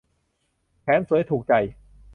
แถมสวยถูกใจ